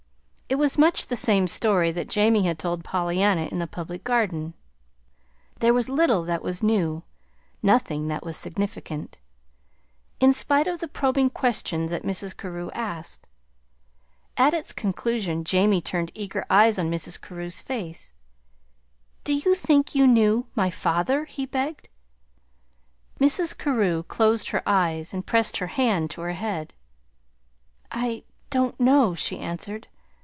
It was much the same story that Jamie had told Pollyanna in the Public Garden. There was little that was new, nothing that was significant, in spite of the probing questions that Mrs. Carew asked. At its conclusion Jamie turned eager eyes on Mrs. Carew's face. "Do you think you knew my father?" he begged. Mrs. Carew closed her eyes and pressed her hand to her head. "I don't know," she answered.